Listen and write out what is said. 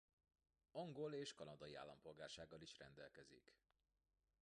Angol és kanadai állampolgársággal is rendelkezik.